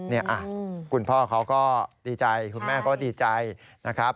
เนี่ยอ่ะคุณพ่อก็ดีใจคุณแม่ก็ดีใจนะครับ